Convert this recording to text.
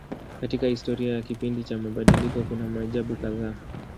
Katika historia ya kipindi cha mabadiliko kuna maajabu kadhaa.